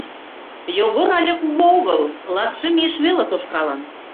Йогор але кугу огыл, латшым ийыш веле тошкалын.